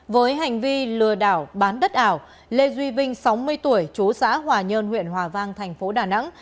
với hành vi lừa đảo bán đất ảo lê duy vinh sáu mươi tuổi chú xã hòa nhơn huyện hòa vang thành phố đà nẵng